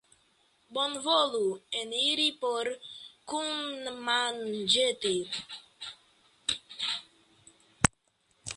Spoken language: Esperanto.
Bonvolu eniri por kunmanĝeti!